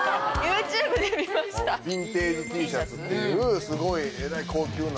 ヴィンテージＴシャツっていうすごいえらい高級な。